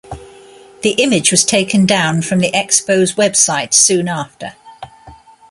The image was taken down from the Expo's website soon after.